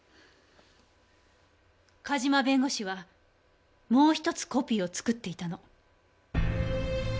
梶間弁護士はもう１つコピーを作っていたの。